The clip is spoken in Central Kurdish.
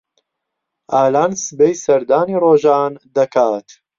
ئالان سبەی سەردانی ڕۆژان دەکات.